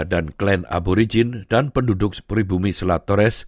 dan klan aborigin dan penduduk peribumi selat torres